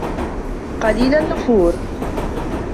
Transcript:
قَلِيلَ النُّفُورِ